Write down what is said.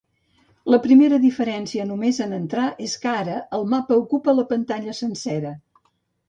La primera diferència només entrar és que ara, el mapa ocupa la pantalla sencera.